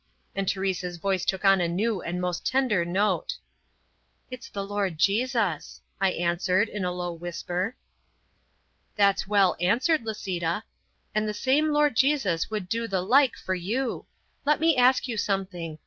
and Teresa's voice took on a new and most tender note. "It's the Lord Jesus!" I answered in a low whisper. "That's well answered, Lisita! And the same Lord Jesus would do the like for you. Let me ask you something.